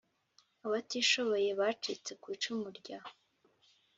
Abatishoboye bacitse ku icumu rya